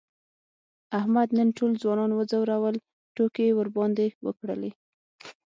احمد نن ټول ځوانان و ځورول، ټوکې یې ورباندې وکړلې.